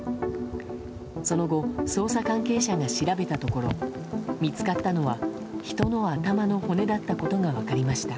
その後捜査関係者が調べたところ見つかったのは人の頭の骨だったことが分かりました。